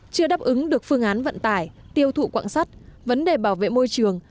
chưa đáp ứng được phương án vận tải tiêu thụ quạng sắt vấn đề bảo vệ môi trường